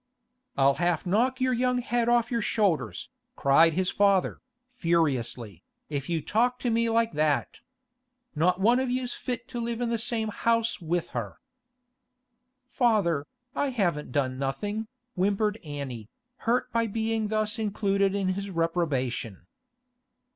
'I'll half knock your young head off your shoulders,' cried his father, furiously, 'if you talk to me like that! Not one of you's fit to live in the same house with her.' 'Father, I haven't done nothing,' whimpered Annie, hurt by being thus included in his reprobation.